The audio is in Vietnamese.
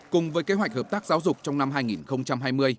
cùng với kế hoạch hợp tác giáo dục trong năm hai nghìn hai mươi